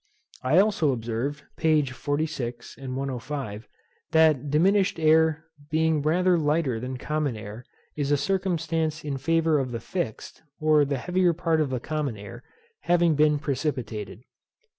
I also observed, p. 46, 105. that diminished air being rather lighter than common air is a circumstance in favour of the fixed, or the heavier part of the common air, having been precipitated.